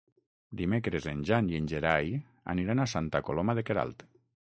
Dimecres en Jan i en Gerai aniran a Santa Coloma de Queralt.